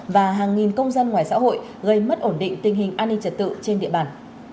và hàng nghìn công dân ngoài xã hội gây mất ổn định tình hình an ninh trật tự trên địa bàn